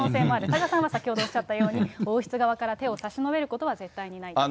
多賀さんは先ほどおっしゃったように、王室側から手を差し伸べることは絶対にないと。